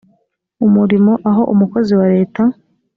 umurimo aho umukozi wa leta